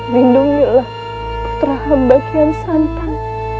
lindungilah putra hamba kian santan